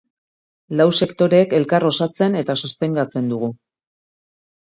Lau sektoreek elkar osatzen eta sostengatzen dugu.